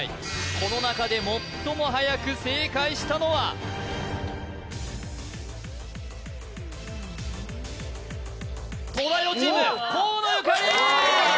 この中で最も早く正解したのは東大王チーム河野ゆかり！